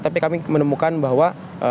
tapi kami menemukan bahwa